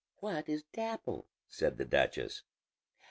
"What is Dapple?" said the duchess.